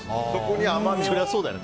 そりゃそうだよね。